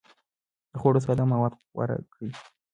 د خوړو ساده مواد غوره کړئ.